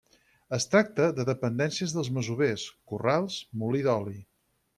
Es tracta de dependències pels masovers, corrals, molí d'oli.